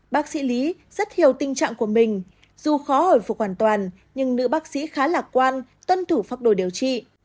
bác sĩ lý rất hiểu tình trạng của mình dù khó hồi phục hoàn toàn nhưng nữ bác sĩ khá lạc quan tuân thủ phác đồ điều trị